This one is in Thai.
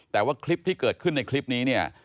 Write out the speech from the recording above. แต่ว่าคลิปที่เกิดขึ้นในคลิปนี้เนี่ย